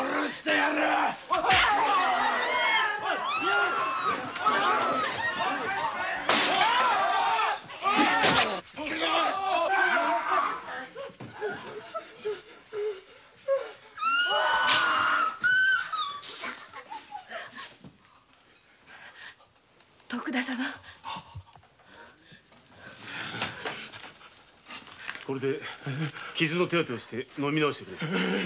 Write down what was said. これで傷の手当てをして飲みなおしてくれ。